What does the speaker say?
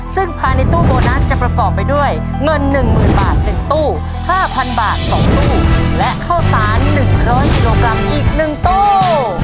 ซึ่งภายในตู้โบนัสจะประกอบไปด้วยเงิน๑๐๐๐บาท๑ตู้๕๐๐บาท๒ตู้และข้าวสาร๑๐๐กิโลกรัมอีก๑ตู้